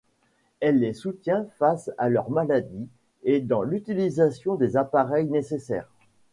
Elle les soutient face à leur maladie et dans l’utilisation des appareils nécessaires.